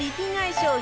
商品